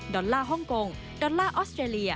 อลลาร์ฮ่องกงดอลลาร์ออสเตรเลีย